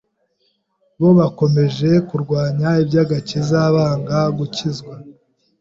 bo bakomeje kurwanya iby’agakiza banga gukizwa